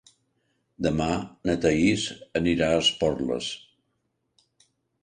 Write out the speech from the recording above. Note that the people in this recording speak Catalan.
Demà na Thaís anirà a Esporles.